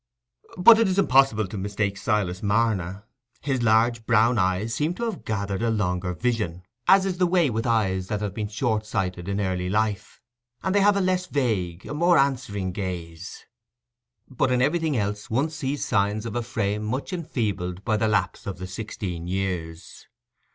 But it is impossible to mistake Silas Marner. His large brown eyes seem to have gathered a longer vision, as is the way with eyes that have been short sighted in early life, and they have a less vague, a more answering gaze; but in everything else one sees signs of a frame much enfeebled by the lapse of the sixteen years.